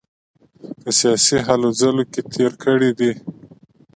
په سیاسي هلو ځلو کې تېر کړی دی.